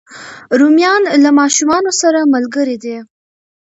رومیان له ماشوم سره ملګري دي